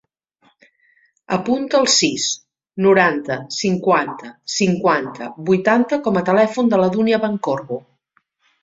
Apunta el sis, noranta, cinquanta, cinquanta, vuitanta com a telèfon de la Dúnia Pancorbo.